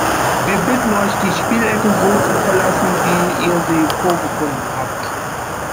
Wir bitten euch, die Spielecke so zu verlassen, wie ihr sie vorgefunden habt!